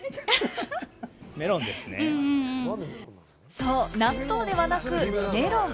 そう、納豆ではなく、メロン。